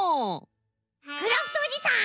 クラフトおじさん！